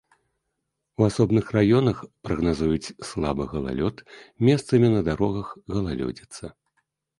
У асобных раёнах прагназуюць слабы галалёд, месцамі на дарогах галалёдзіца.